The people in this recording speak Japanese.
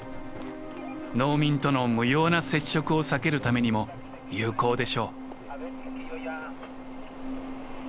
農民との無用な接触を避けるためにも有効でしょう。